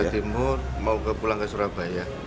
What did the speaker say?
jawa timur mau pulang ke surabaya